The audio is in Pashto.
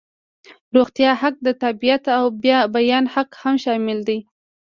د روغتیا حق، د تابعیت او بیان حق هم شامل دي.